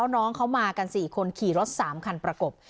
น้องเขามากัน๔คนขี่รถ๓คันประกบ